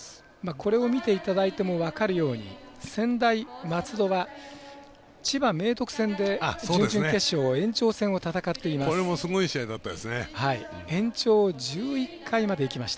これを見ていただいても分かるように専大松戸が千葉明徳戦で準々決勝、延長戦を戦っています。